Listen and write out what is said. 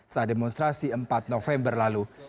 saat demonstrasi empat november lalu